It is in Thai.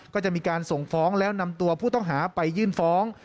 ก็จะมีการส่งฟ้องแล้วนำตัวผู้ต้องหาไปยื่นฟ้อง